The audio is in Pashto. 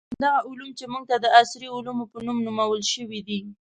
همدغه علوم چې موږ ته د عصري علومو په نوم نومول شوي دي.